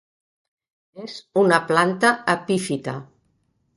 És una planta epífita.